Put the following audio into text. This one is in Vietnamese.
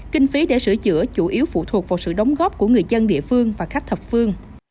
kinh phí để sửa chữa chủ yếu phụ thuộc vào sự đóng góp của người dân địa phương và khách thập phương